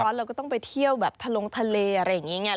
หน้าร้อนเราก็ต้องไปเที่ยวแบบทะลงทะเลอะไรอย่างนี้